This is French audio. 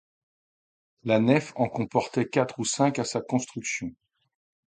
La nef en comportait quatre ou cinq à sa construction.